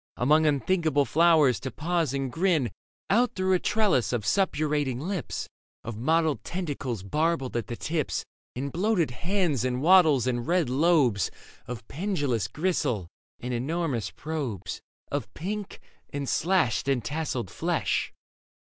Among unthinkable flowers, to pause and grin Out through a trellis of suppurating lips. Of mottled tentacles barbed at the tips And bloated hands and wattles and red lobes Of pendulous gristle and enormous probes Of pink and slashed and tasselled flesh